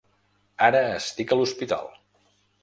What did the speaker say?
Ara estic a l'hospital.